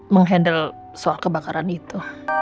menghandle soal kebakaran itu